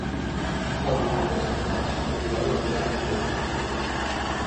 El vint-i-tres de maig n'Oriol anirà a Montblanc.